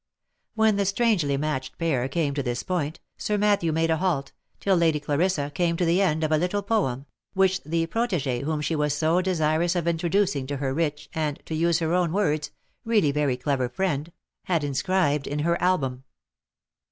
When the strangely matched pair came to this point, Sir Matthew made a halt, till Lady Clarissa came to the end of a little poem, which the protege whom she was so desirous of introducing to her rich and (to use her own words) '« really very clever friend," had in scribed in her album.